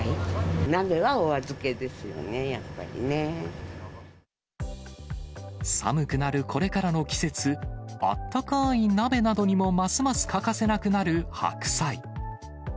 鍋はお預け寒くなるこれからの季節、あったかーい鍋などにもますます欠かせなくなる白菜。